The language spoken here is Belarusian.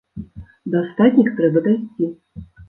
Да астатніх трэба дайсці!